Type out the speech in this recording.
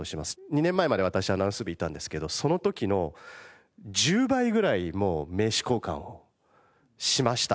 ２年前まで私アナウンス部にいたんですけどその時の１０倍ぐらいもう名刺交換をしました。